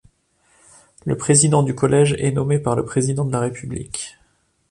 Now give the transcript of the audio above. Le président du collège est nommé par le président de la République.